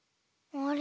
あれ？